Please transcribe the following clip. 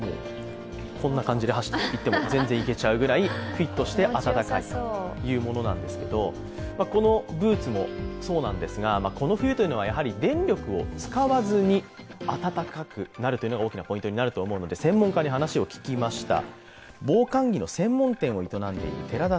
こんな感じでいっても全然いけちゃうくらいフィットして暖かいというものなんですけれども、このブーツもそうなんですがこの冬はやはり電力を使わずに暖かくなるというのが大きなポイントになると思うので、専門家に話を聞きました。